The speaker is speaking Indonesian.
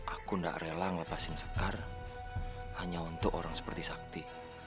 aku enggak rela melepaskan sekar hanya untuk orang seperti sakti